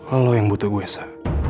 lo yang butuh gue sa